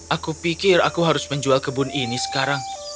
aku pikir aku harus menjual kebun ini sekarang